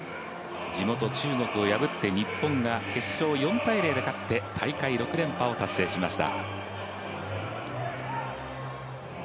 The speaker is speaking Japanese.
地元・中国を破って日本が決勝４−０で勝って、大会６連覇を達成しました。